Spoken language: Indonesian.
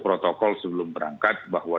protokol sebelum berangkat bahwa